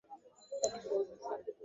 অনর্থক তাদের বিশজন প্রাণ হারায়।